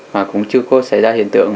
mà cũng chưa có xảy ra hiện tượng